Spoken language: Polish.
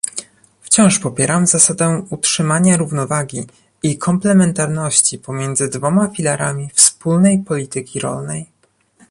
wciąż popieram zasadę utrzymania równowagi i komplementarności pomiędzy dwoma filarami wspólnej polityki rolnej